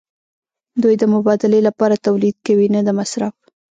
دوی د مبادلې لپاره تولید کوي نه د مصرف.